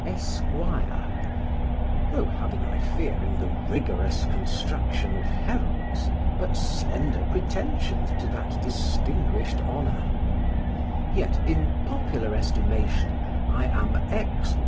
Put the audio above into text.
"Esquire," though having, I fear, in the rigorous construction of heralds, but slender pretensions to that distinguished honour; yet in popular estimation I am X.